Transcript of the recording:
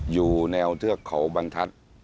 อยู่แนวเทือกเขาบรรทัศน์